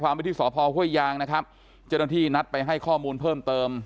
ความวิธีสภพฮ่วยยางนะครับจริงที่นัดไปให้ข้อมูลเพิ่มเติม